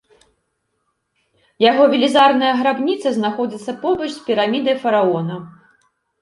Яго велізарная грабніца знаходзіцца побач з пірамідай фараона.